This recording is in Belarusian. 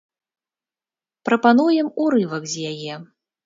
Прапануем урывак з яе.